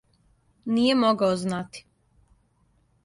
Није могао знати.